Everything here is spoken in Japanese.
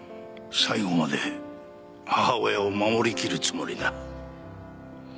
最後まで母親を守りきるつもりだ。